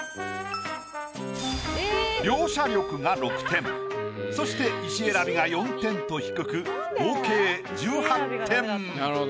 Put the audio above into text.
描写力が６点そして石選びが４点と低く合計１８点。